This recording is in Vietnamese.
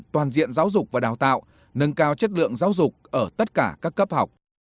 toàn diện giáo dục và đào tạo nâng cao chất lượng giáo dục ở tất cả các cấp học